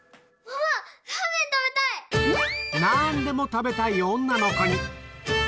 なんでも食べたい女の子に。